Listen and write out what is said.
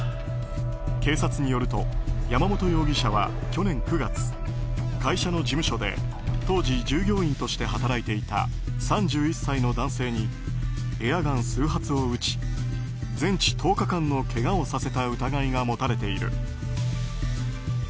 警察によると山本容疑者は去年９月会社の事務所で当時、従業員として働いていた３１歳の男性にエアガン数発を撃ち全治１０日間のけがをさせた疑いが持たれている。